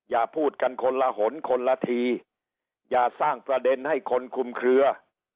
อย่าพูดกันคนละหนคนละทีอย่าสร้างประเด็นให้คนคุมเคลือ